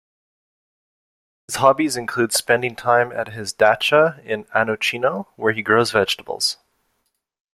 His hobbies include spending time at his dacha in Anuchino, where he grows vegetables.